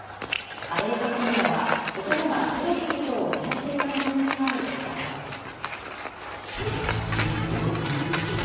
アメリカのメディアは男がペロシ議長を狙っていた可能性があると伝えています。